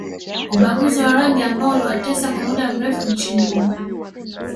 Ubaguzi wa rangi ambao uliwatesa kwa mda mrefu nchini humo